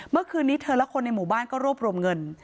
เมื่อคืนนี้เธอและคนในหมู่บ้านก็รวบรวมเงิน